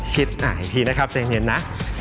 อ่านอีกทีนะครับใจเย็นนะ